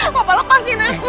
papa lepasin aku